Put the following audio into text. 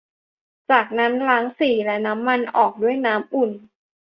จากนั้นล้างสีและน้ำมันออกด้วยน้ำอุ่น